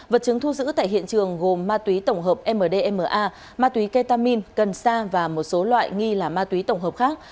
vật chứng thu giữ tại hiện trường gồm ma túy tổng hợp mdma ma túy ketamin cần sa và một số loại nghi là ma túy tổng hợp khác